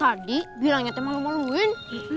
tadi bilang nyate malu maluin